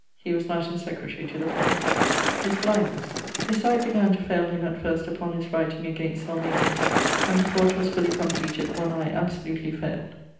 _> He was Latin secretary to the Parliament. <_His blindness._> His sight began to faile him at first upon his writing against Salmasius, and before 'twas fully compleated one eie absolutely faild.